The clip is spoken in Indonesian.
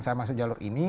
saya masuk jalur ini